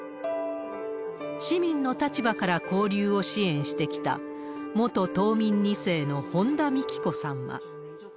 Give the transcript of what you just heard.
市民の立場から交流を支援してきた、元島民２世の本田幹子さんは。